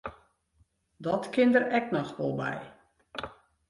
Dat kin der ek noch wol by.